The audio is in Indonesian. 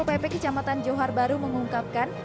kepala satpol pp kecamatan johar baru mengungkapkan